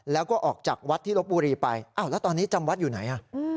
แล้วก็ออกจากวัดที่ลบบุรีไปอ้าวแล้วตอนนี้จำวัดอยู่ไหน